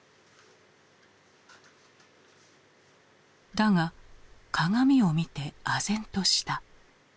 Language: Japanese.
だが鏡を見てあぜんとした。